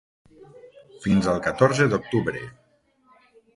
Fins al catorze d’octubre.